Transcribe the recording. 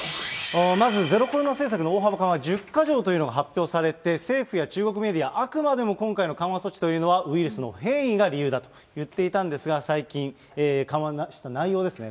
まず、ゼロコロナ政策の大幅緩和１０か条というのが発表されて、政府や中国メディア、あくまでも今回の緩和措置というのは、ウイルスの変異が理由だと言っていたんですが、最近、緩和した内容ですね。